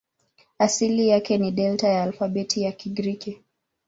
Asili yake ni Delta ya alfabeti ya Kigiriki.